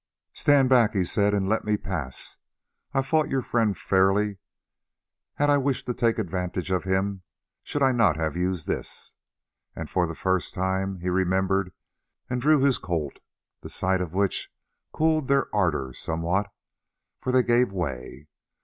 "Stand back," he said, "and let me pass. I fought your friend fairly; had I wished to take advantage of him, should I not have used this?" And for the first time he remembered and drew his Colt, the sight of which cooled their ardour somewhat, for they gave way.